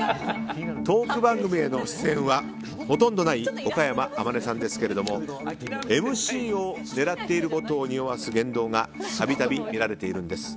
トーク番組への出演はほとんどない岡山天音さんですけどもＭＣを狙っていることをにおわす言動が度々見られているんです。